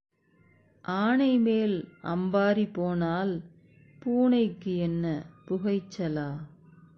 ஆனைமேல் அம்பாரி போனால் பூனைக்கு என்ன புகைச்சலா?